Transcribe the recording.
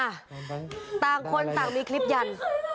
หัวฟาดพื้น